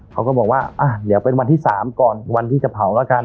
เขาก็บอกว่าเดี๋ยวเป็นวันที่๓ก่อนวันที่จะเผาแล้วกัน